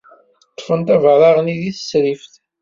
Ṭṭfen-d abaraɣ-nni deg tserrift.